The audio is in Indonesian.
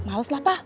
males lah pak